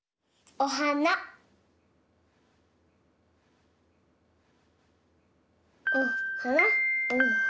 おはなおはな